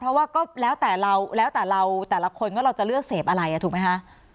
เพราะว่าแล้วแต่เราแต่ละคนว่าเราจะเลือกเสพอะไรถูกไหมฮะ